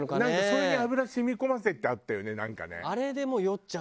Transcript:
それに油染み込ませてあったよねなんかね。